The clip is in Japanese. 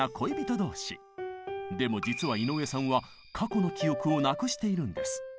でも実は井上さんは過去の記憶をなくしているんです。